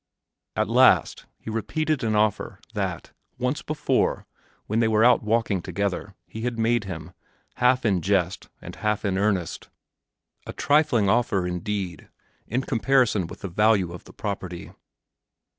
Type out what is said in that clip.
At last he repeated an offer that, once before, when they were out walking together, he had made him, half in jest and half in earnest a trifling offer indeed, in comparison with the value of the property.